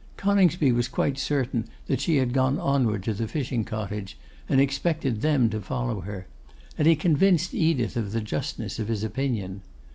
Coningsby was quite certain that she had gone onward to the fishing cottage, and expected them to follow her; and he convinced Edith of the justness of his opinion.